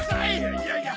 いやいや！